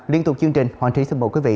liên tục chương trình hoàng trí xin mời quý vị